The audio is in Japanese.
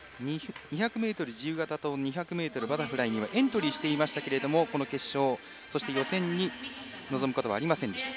２００ｍ自由形と２００ｍバタフライにはエントリーしていましたけどもこの決勝そして予選に臨むことはありませんでした。